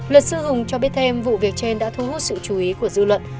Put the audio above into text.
luật sư hùng cho biết thêm vụ việc trên đã thu hút sự chú ý của dư luận